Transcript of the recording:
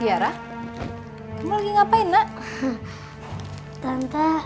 yaudah kalau gitu kamu jangan telat ya nak